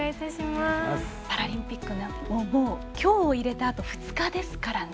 パラリンピックも今日を入れてあと２日ですからね。